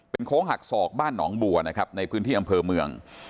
โค้งหักศอกบ้านหนองบัวนะครับในพื้นที่อำเภอเมือง